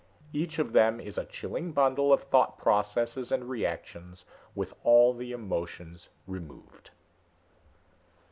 Each of them is a chilling bundle of thought processes and reactions, with all the emotions removed."